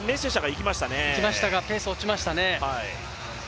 いきましたがペース落ちましたね。